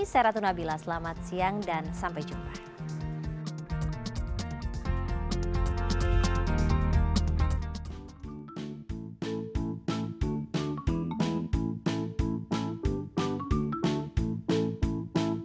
saya ratuna bila selamat siang dan sampai jumpa